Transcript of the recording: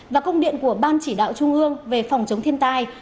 và công điện của ban chỉ đạo trung ương về phòng chống thiên tai